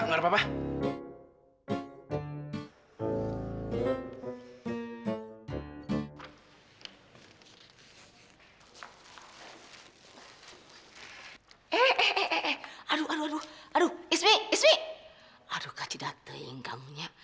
aduh kacidateng kamu nya